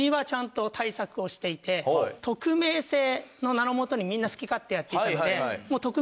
匿名性の名のもとにみんな好き勝手やっていたので。